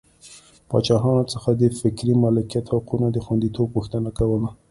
پاچاهانو څخه د فکري مالکیت حقونو د خوندیتوب غوښتنه کوله.